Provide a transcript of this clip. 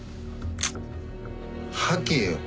吐けよ！